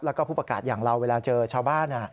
แล้วก็ผู้ประกาศอย่างเราเวลาเจอชาวบ้าน